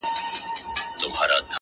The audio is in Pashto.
• چي پخوا به یې مېړه څنګ ته ویده وو -